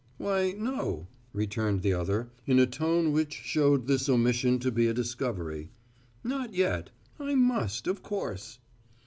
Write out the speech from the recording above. "Why, no," returned the other, in a tone which showed this omission to be a discovery; "not yet. I must, of course."